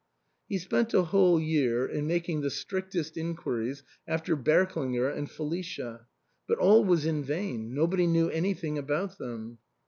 He spent a whole year in making the strictest in quiries after Berklinger and Felicia ; but all was in vain ; nobody knew anything about them.